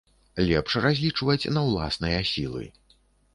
Лепш разлічваць на ўласныя сілы.